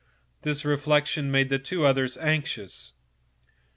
This reflection made the other two anxious.